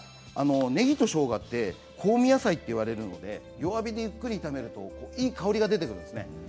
ねぎとしょうがって香味野菜と言われるので弱火でゆっくり炒めるといい香りが出てくるんですね。